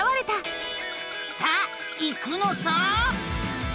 さあ行くのさ！